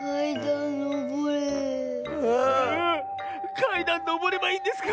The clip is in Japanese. かいだんのぼればいいんですか？